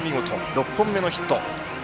６本目のヒット。